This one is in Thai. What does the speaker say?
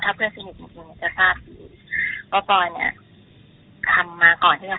เพื่อนสนิทจริงจริงจะทราบดีว่าปอยเนี้ยทำมาก่อนที่จะ